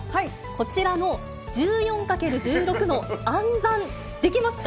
こちらの１４×１６の暗算、できますか。